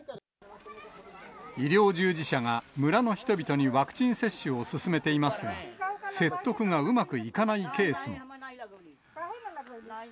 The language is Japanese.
医療従事者が村の人々にワクチン接種を勧めていますが、説得がうまくいかないケースも。